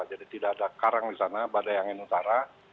jadi tidak ada karang di sana badai angin utara